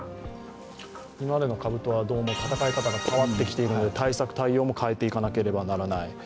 今までの株とは戦い方が変わってきている、対策、対応も変えていかなければならない。